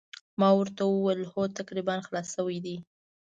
ما ورته وویل هو تقریباً خلاص شوي دي.